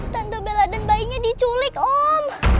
tante bella dan bayinya diculik om